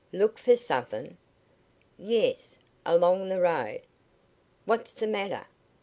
"Look for Suthin'?" "Yes; along the road." "What's the matter?